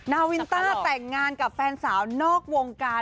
นาวินต้าแต่งงานกับแฟนสาวนอกวงการ